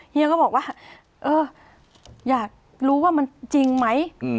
เฮียก็บอกว่าเอออยากรู้ว่ามันจริงไหม